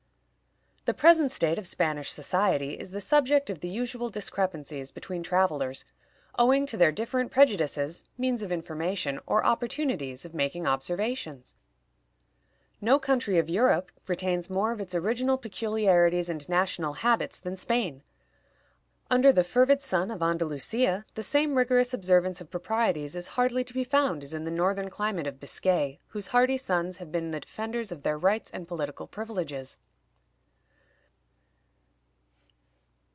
The present state of Spanish society is the subject of the usual discrepancies between travelers, owing to their different prejudices, means of information, or opportunities of making observations. No country of Europe retains more of its original peculiarities and national habits than Spain. Under the fervid sun of Andalusia, the same rigorous observance of proprieties is hardly to be found as in the northern climate of Biscay, whose hardy sons have ever been the defenders of their rights and political privileges.